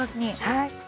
はい。